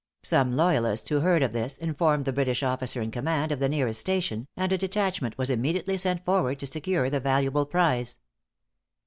Some loyalists who heard of this, informed the British officer in command of the nearest station, and a detachment was immediately sent forward to secure the valuable prize.